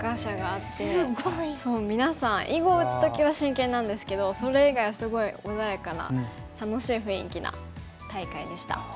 そうみなさん囲碁を打つ時は真剣なんですけどそれ以外はすごい穏やかな楽しい雰囲気な大会でした。